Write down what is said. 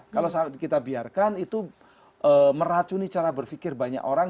kalau kita biarkan itu meracuni cara berfikir banyak orang